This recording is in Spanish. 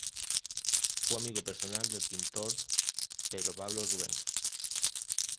Fue amigo personal del pintor Pedro Pablo Rubens.